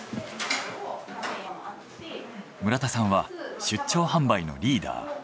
村田さんは出張販売のリーダー。